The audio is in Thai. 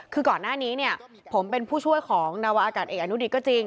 คือก่อนหน้านี้เนี่ยผมเป็นผู้ช่วยของนาวาอากาศเอกอนุดิตก็จริง